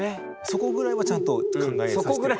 そこぐらいはちゃんと考えさして。